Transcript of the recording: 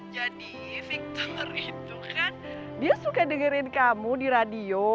jadi victor itu kan dia suka dengerin kamu di radio